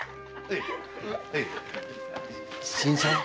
新さんは？